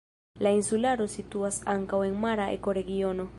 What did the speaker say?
La insularo situas ankaŭ en mara ekoregiono.